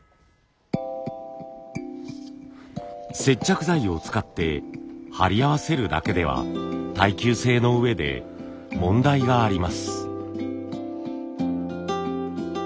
接着剤を使って貼り合わせるだけでは耐久性のうえで問題があります。